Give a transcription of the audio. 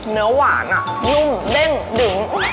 เนื้อหวานอ่ะยุ่มเด้นดึง